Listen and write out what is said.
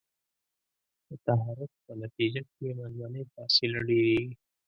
د تحرک په نتیجه کې منځنۍ فاصله ډیریږي.